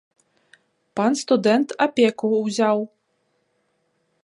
Пан студэнт апеку ўзяў.